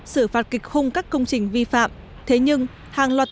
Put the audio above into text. xử phạt kịch hung các công trình vi phạm thế nhưng hàng loạt tòa nhà cao tầng ven biển đang